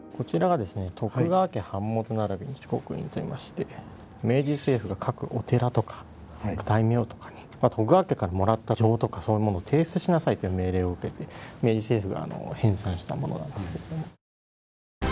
こちらがですね明治政府が各お寺とか大名とかに徳川家からもらった状とかそういうものを提出しなさいという命令を受けて明治政府が編纂したものなんですけれども。